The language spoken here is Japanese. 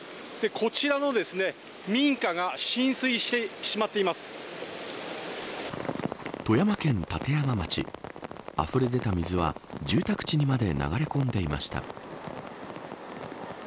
こちらの民家が富山県立山町あふれ出た水は住宅地にまで流れ込んでいました。